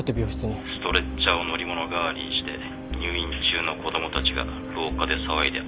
ストレッチャーを乗り物代わりにして入院中の子供たちが廊下で騒いで遊んでいたそうだ。